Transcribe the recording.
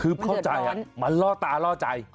คือครอบจัยมันล่อตาล่อใจ